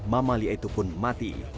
mamali itu pun mati